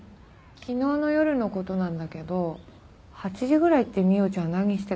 昨日の夜の事なんだけど８時ぐらいって未央ちゃん何してたかな？